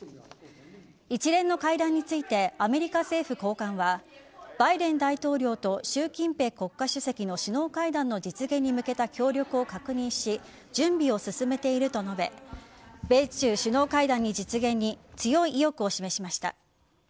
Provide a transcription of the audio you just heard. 一連の会談についてアメリカ政府高官はバイデン大統領と習近平国家主席の首脳会談の実現に向けた協力を確認し準備を進めていると述べ米中首脳会談の実現に強い意欲を示しました。